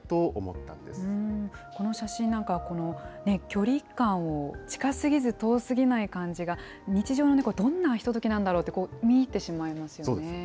この写真なんか、距離感を近すぎず、遠すぎない感じが、日常のね、どんなひと時なんだろうって見入ってしまいますよね。